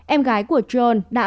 em gái của john đã